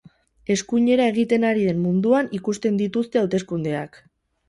Eskuinera egiten ari den munduan ikusten dituzte hauteskundeak.